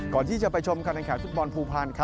ก่อนที่จะไปชมการแข่งขันฟุตบอลภูพันธ์